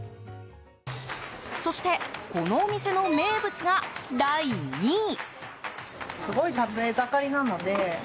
そして、このお店の名物が第２位。